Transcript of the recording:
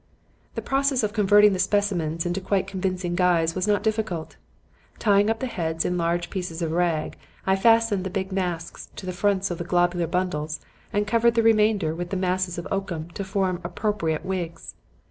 The process of converting the specimens into quite convincing guys was not difficult. Tying up the heads in large pieces of rag, I fastened the big masks to the fronts of the globular bundles and covered in the remainder with masses of oakum to form appropriate wigs.